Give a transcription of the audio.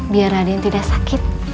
biar raden tidak sakit